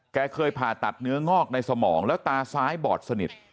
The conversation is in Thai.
เคยผ่าตัดเนื้องอกในสมองแล้วตาซ้ายบอดสนิท